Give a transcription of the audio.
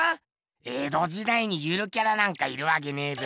江戸時代にゆるキャラなんかいるわけねえべ。